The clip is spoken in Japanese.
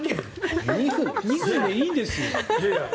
２分でいいんですよ。